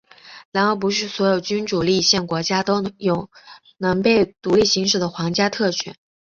然而不是所有君主立宪国家都有能被独立行使的皇家特权。